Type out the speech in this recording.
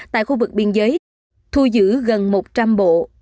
tại khu vực biên giới thu giữ gần một trăm linh bộ